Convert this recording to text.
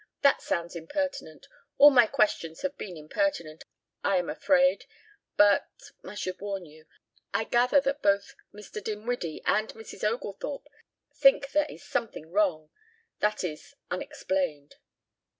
"That sounds impertinent. All my questions have been impertinent, I am afraid. But I should warn you I gather that both Mr. Dinwiddie and Mrs. Oglethorpe think there is something wrong that is, unexplained."